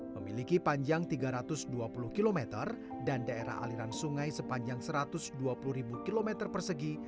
memiliki panjang tiga ratus dua puluh km dan daerah aliran sungai sepanjang satu ratus dua puluh km persegi